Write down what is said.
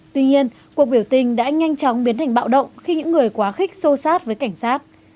tuy nhiên cuộc biểu tình đã nhanh chóng biến thành bạo động khi những người quá khích sâu sát với cảnh sát